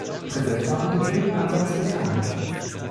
Präsent waren die Briten ansonsten kaum.